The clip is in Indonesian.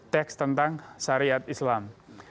teks tentang syariat islam